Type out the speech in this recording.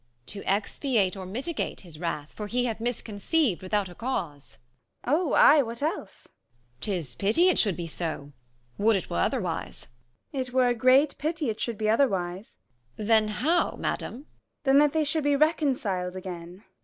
60 Amb. To expiate or mitigate his wrath : For he hath rnisqonqeiv'd without a cause. Gon. Oh, ay, what else ? Amb. 'Tis pity it should be so ; would it were otherwise. Gon. It were great pity it should be otherwise. 65 Amb. Than how, madam ? Gon. Than that they should be reconciled again.